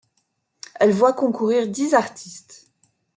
Elle voit concourir dix artistes.